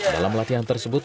dalam latihan tersebut